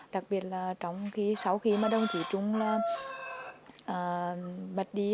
đặc biệt sau khi đồng chí trung bật đi